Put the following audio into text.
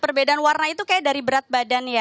perbedaan warna itu kayak dari berat badan ya